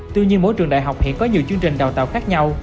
tuy nhiên mỗi trường đại học hiện có nhiều chương trình đào tạo khác nhau